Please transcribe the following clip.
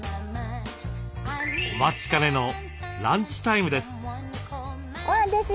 お待ちかねのランチタイムです。